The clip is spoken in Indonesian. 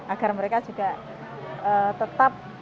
agar mereka juga tetap